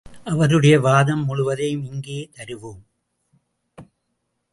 அவருடைய வாதம் முழுவதையும் இங்கே தருவோம்.